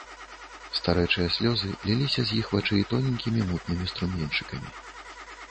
Старэчыя слёзы ліліся з іх вачэй тоненькімі мутнымі струменьчыкамі.